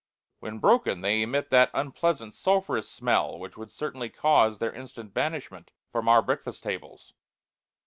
When broken, they emit that unpleasant sulphurous smell which would certainly cause their instant banishment from our breakfast tables.